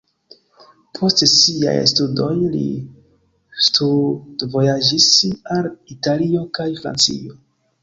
Post siaj studoj li studvojaĝis al Italio kaj Francio.